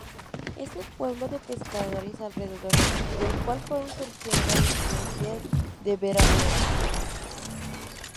Es un pueblo de pescadores, alrededor del cual fueron surgiendo residencias de veraneo.